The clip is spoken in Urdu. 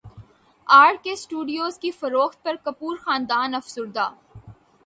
ار کے اسٹوڈیوز کی فروخت پر کپور خاندان افسردہ